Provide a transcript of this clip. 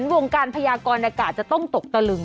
วงการพยากรอากาศจะต้องตกตะลึง